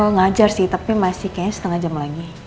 ngajar sih tapi masih kayaknya setengah jam lagi